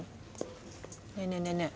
ねえねえねえねえ。